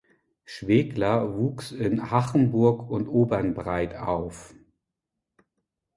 Schwegler wuchs in Hachenburg und Obernbreit auf.